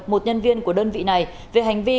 một nhân viên của đơn vị này về hành vi